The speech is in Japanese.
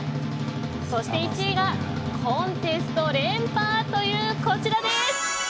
そして１位がコンテスト連覇というこちら。